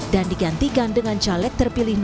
dan digantikan dengan caleg terpilihnya